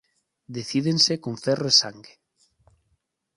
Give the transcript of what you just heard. Decídense con ferro e sangue"".